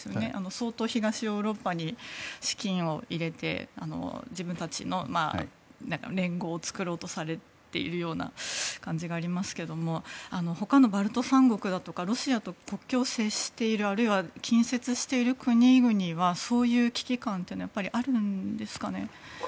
相当、東ヨーロッパに資金を入れて自分たちの連合を作ろうとされているような感じがありますが他のバルト三国だとかロシアと国境を接しているあるいは近接している国々はそういう危機感はやっぱりあるんですかね。